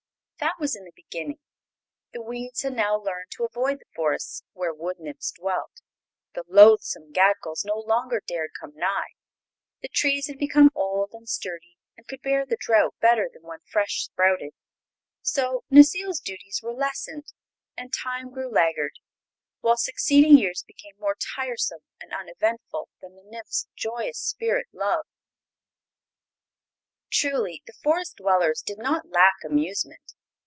That was in the beginning. The weeds had now learned to avoid the forests where wood nymphs dwelt; the loathsome Gadgols no longer dared come nigh; the trees had become old and sturdy and could bear the drought better than when fresh sprouted. So Necile's duties were lessened, and time grew laggard, while succeeding years became more tiresome and uneventful than the nymph's joyous spirit loved. Truly the forest dwellers did not lack amusement.